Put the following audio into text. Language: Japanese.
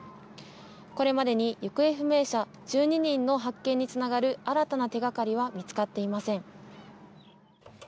これまでに行方不明者１２人の発見につながる新たな手がかりは見つかっていません。